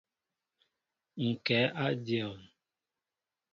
Ŋ kɛ a dion.